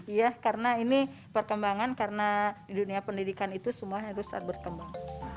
iya karena ini perkembangan karena di dunia pendidikan itu semua harus berkembang